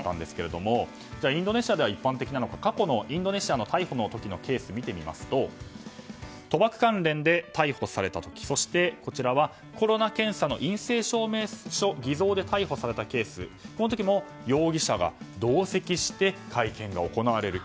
インドネシアでは一般的なのか過去のインドネシアの逮捕の時のケースを見てみますと賭博関連で逮捕された時そして、コロナ検査の陰性証明書偽造で逮捕されたケースこの時も容疑者が同席して会見が行われる。